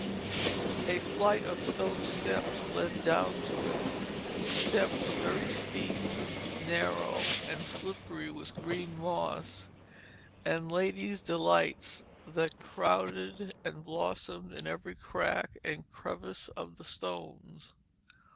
A flight of stone steps led down to it, steps very steep, narrow, and slippery with green moss, and ladies' delights that crowded and blossomed in every crack and crevice of the stones.